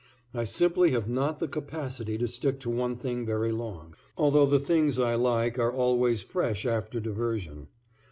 I simply have not the capacity to stick to one thing very long, although the things I like are always fresh after diversion.